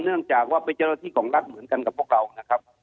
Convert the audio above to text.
เนื่องจากว่าเป็นเจ้าหน้าที่ของรัฐเหมือนกันกับพวกเรานะครับ